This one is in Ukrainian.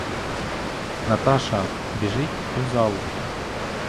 Наташа, біжить у залу.